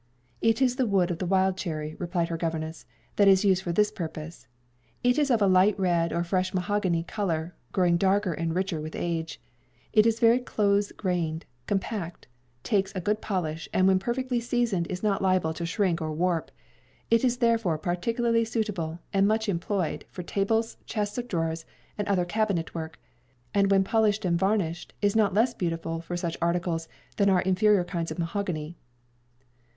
"It is the wood of the wild cherry," replied her governess, "that is used for this purpose. It is of a light red or fresh mahogany color, growing darker and richer with age. It is very close grained, compact, takes a good polish, and when perfectly seasoned is not liable to shrink or warp. It is therefore particularly suitable, and much employed, for tables, chests of drawers, and other cabinet work, and when polished and varnished is not less beautiful for such articles than are inferior kinds of mahogany."